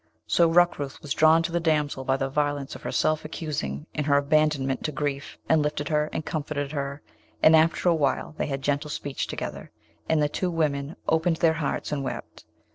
So Rukrooth was drawn to the damsel by the violence of her self accusing and her abandonment to grief, and lifted her, and comforted her, and after awhile they had gentle speech together, and the two women opened their hearts and wept.